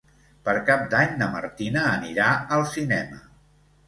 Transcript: Per Cap d'Any na Martina anirà al cinema.